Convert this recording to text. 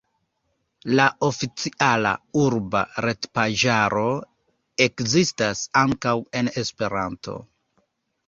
La oficiala urba retpaĝaro ekzistas ankaŭ en Esperanto.